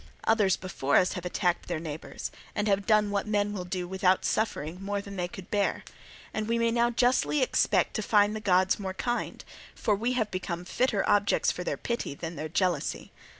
Others before us have attacked their neighbours and have done what men will do without suffering more than they could bear; and we may now justly expect to find the gods more kind, for we have become fitter objects for their pity than their jealousy.